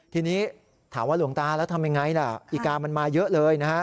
ทีนี้ถามว่าหลวงตาแล้วทำยังไงล่ะอีกามันมาเยอะเลยนะฮะ